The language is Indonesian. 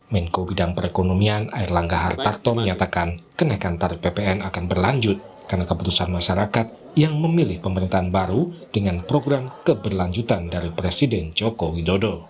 menko bidang perekonomian air langga hartarto menyatakan kenaikan tarif ppn akan berlanjut karena keputusan masyarakat yang memilih pemerintahan baru dengan program keberlanjutan dari presiden joko widodo